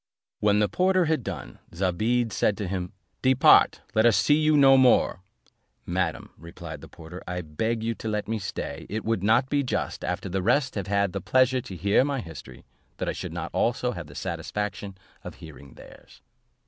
When the porter had done, Zobeide said to him, "Depart, let us see you here no more." "Madam," replied the porter, "I beg you to let me stay; it would not be just, after the rest have had the pleasure to hear my history, that I should not also have the satisfaction of hearing theirs."